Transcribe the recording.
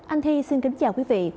anh thi xin kính chào quý vị